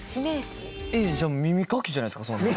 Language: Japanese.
えっじゃあ耳かきじゃないですかそんなん。